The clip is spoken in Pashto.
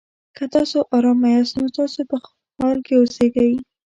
که تاسو ارامه یاست؛ نو تاسو په حال کې اوسېږئ.